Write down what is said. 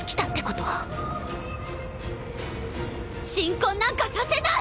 神婚なんかさせない！